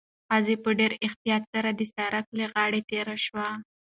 ښځه په ډېر احتیاط سره د سړک له غاړې تېره شوه.